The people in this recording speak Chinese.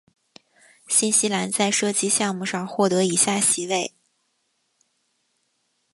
新西兰在射击项目上获得以下席位。